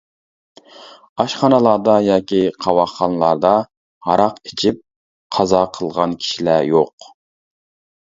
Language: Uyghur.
ئاشخانىلاردا ياكى قاۋاقخانىلاردا ھاراق ئىچىپ قازا قىلغان كىشىلەر يوق .